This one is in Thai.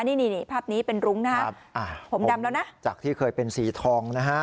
นี่นี่ภาพนี้เป็นรุ้งนะครับผมดำแล้วนะจากที่เคยเป็นสีทองนะฮะ